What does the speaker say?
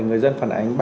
người dân phản ánh